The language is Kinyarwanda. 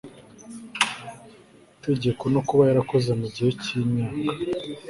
tegeko no kuba yarakoze mu gihe cy imyaka